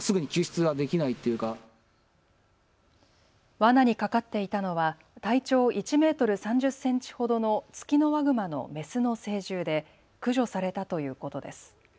わなにかかっていたのは体長１メートル３０センチほどのツキノワグマのメスの成獣で駆除されたということです。